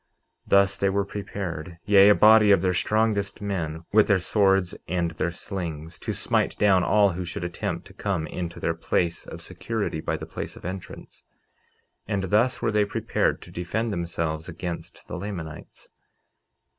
49:20 Thus they were prepared, yea, a body of their strongest men, with their swords and their slings, to smite down all who should attempt to come into their place of security by the place of entrance; and thus were they prepared to defend themselves against the Lamanites.